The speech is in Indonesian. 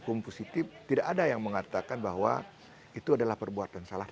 tepuk tangan tuduh